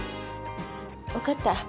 分かった。